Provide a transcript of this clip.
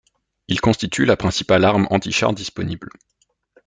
Il constitue la principale arme antichar disponible.